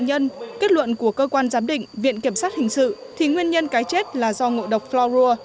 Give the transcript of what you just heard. tuy nhiên kết luận của cơ quan giám định viện kiểm sát hình sự thì nguyên nhân cái chết là do ngộ độc florua